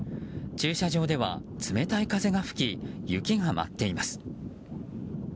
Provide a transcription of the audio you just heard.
駐車場では冷たい風が吹き雪が舞っています。